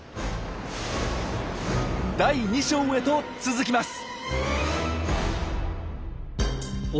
第２章へと続きます。